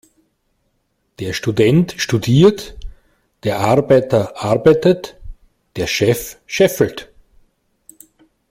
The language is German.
Der Student studiert, der Arbeiter arbeitet, der Chef scheffelt.